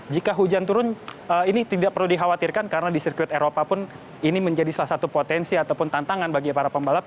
jika hujan turun ini tidak perlu dikhawatirkan karena di sirkuit eropa pun ini menjadi salah satu potensi ataupun tantangan bagi para pembalap